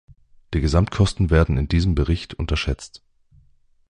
Die Gesamtkosten werden in diesem Bericht unterschätzt.